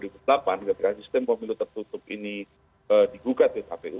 ketika sistem pemilu tertutup ini digugat di kpu